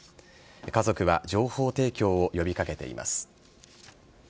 家族は情報提供を呼び掛けています。